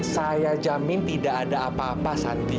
saya jamin tidak ada apa apa sandi